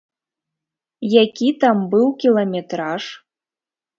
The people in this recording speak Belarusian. Які там быў кіламетраж?